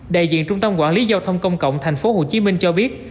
đại diện trung tâm quản lý giao thông công cộng tp hcm cho biết